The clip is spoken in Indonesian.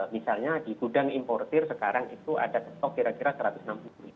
misalnya di gudang importer sekarang itu ada stok kira kira rp satu ratus enam puluh